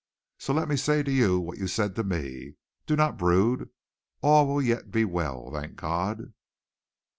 So let me say to you what you said to me do not brood. All will yet be well, thank God!"